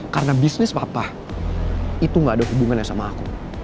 karena bisnis papa itu gak ada hubungannya sama aku